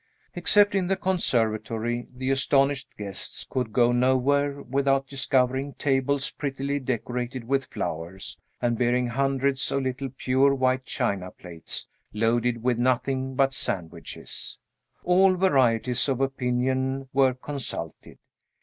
Excepting the conservatory, the astonished guests could go nowhere without discovering tables prettily decorated with flowers, and bearing hundreds of little pure white china plates, loaded with nothing but sandwiches. All varieties of opinion were consulted.